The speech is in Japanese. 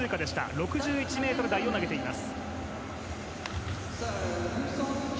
６１ｍ台を投げています。